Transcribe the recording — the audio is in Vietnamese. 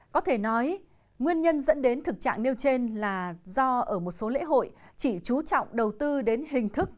có thể nói nguyên nhân dẫn đến thực trạng nêu trên là do ở một số lễ hội chỉ trú trọng đầu tư đến hình thức